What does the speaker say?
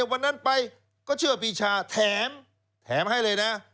วันนั้นไปก็เชื่อปีชาแถมแถมให้เลยนะ